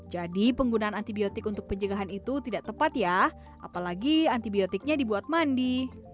jadi penggunaan antibiotik untuk pencegahan itu tidak tepat ya apalagi antibiotiknya dibuat mandi